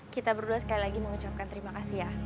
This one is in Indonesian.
kita berdua sekali lagi mengucapkan terima kasih ya